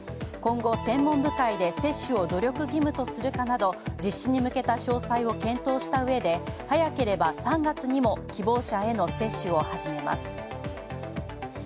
今後、専門部会で接種を努力義務とするかなど実施に向けた詳細を検討したうえで早ければ３月にも希望者への接種を始めます。